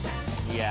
いや。